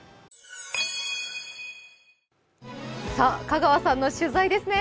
香川さんの取材ですね。